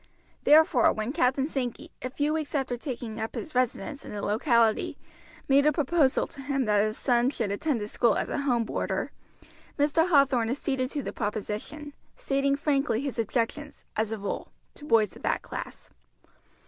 Therefore, when Captain Sankey, a few weeks after taking up his residence in the locality, made a proposal to him that his son should attend his school as a home boarder, Mr. Hathorn acceded to the proposition, stating frankly his objections, as a rule, to boys of that class.